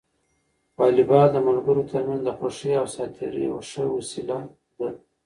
واليبال د ملګرو ترمنځ د خوښۍ او ساعت تېري یوه ښه وسیله ده.